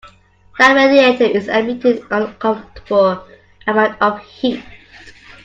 That radiator is emitting an uncomfortable amount of heat.